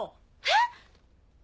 えっ⁉